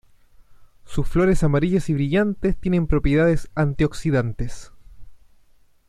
Sus flores amarillas y brillantes tienen propiedades antioxidantes.